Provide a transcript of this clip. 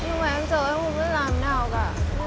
nhưng mà em sợ em không biết làm thế nào cả